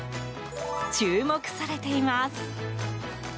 注目されています。